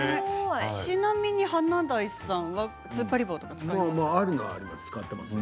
ちなみに華大さんはつっぱり棒とか使いますか？